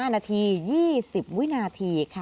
๕นาที๒๐วินาที